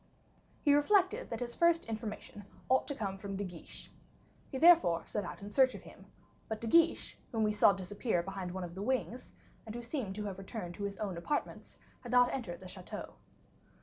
He reflected that his first information ought to come from De Guiche. He therefore set out in search of him, but De Guiche, whom we saw disappear behind one of the wings, and who seemed to have returned to his own apartments, had not entered the chateau.